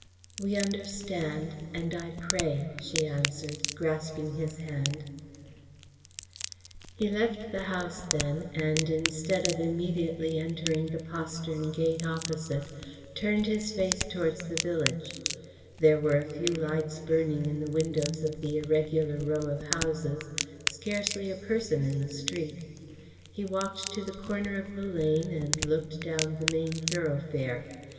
"We understand and I pray," she answered, grasping his hand. He left the house then and, instead of immediately entering the postern gate opposite, turned his face towards the village. There were a few lights burning in the windows of the irregular row of houses, scarcely a person in the street. He walked to the corner of the lane and looked down the main thoroughfare.